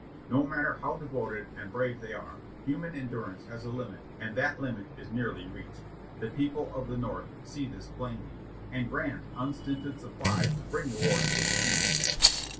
No matter how devoted and brave they are, human endur ance has a hmit and that limit is nearly reached. The people of the North see this plainly, and grant unstinted supplies to bring 638 JOHNNY REB AND BILLY YANK the war to a speedy end.